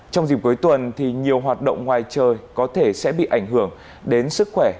trong dịp cuối tuần thì nhiều hoạt động ngoài trời có thể sẽ bị ảnh hưởng đến sức khỏe